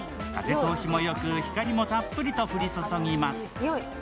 風通しもよく光もたっぷりと降り注ぎます。